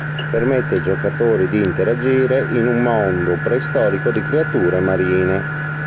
Permette ai giocatori di interagire in un mondo preistorico di creature marine.